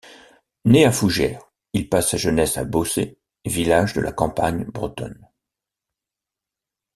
Né à Fougères, il passe sa jeunesse à Beaucé, village de la campagne bretonne.